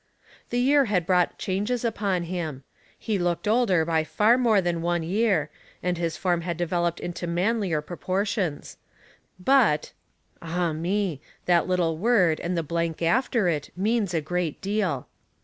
The year had brought changes upon him. He looked older by far more than one year, and his form had developed into manlier proportions ; but — Ah, me! that little word and the blank after it means a great deal.